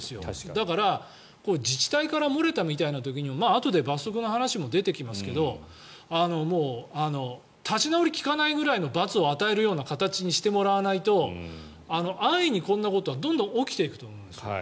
だから、自治体から漏れたみたいな時にあとで罰則の話も出てきますけど立ち直りがきかないくらいの罰を与えるような形にしてもらわないと安易にこんなことがどんどん起きていくと思うんですよ。